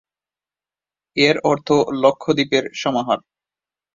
এর অর্থ লক্ষ দ্বীপের সমাহার।